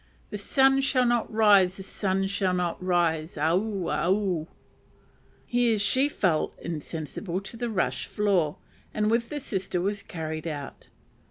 The sun shall not rise, the sun shall not rise, aue! aue!" Here she fell insensible on the rush floor, and with the sister was carried out.